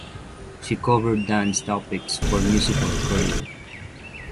She covered dance topics for "Musical Courier".